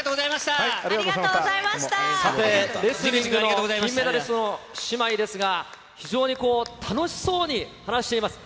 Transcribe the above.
さて、レスリングの金メダリストの姉妹ですが、非常に楽しそうに話しています。